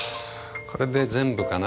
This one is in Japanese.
これで全部かな。